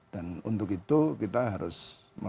dan untuk itu kita harus melakukan produksi pesawat r delapan puluh